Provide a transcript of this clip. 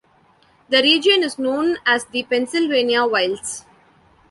The region is known as the Pennsylvania Wilds.